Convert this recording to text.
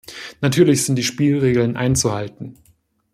Natürlich sind die Spielregeln einzuhalten.